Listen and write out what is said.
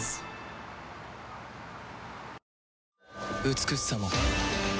美しさも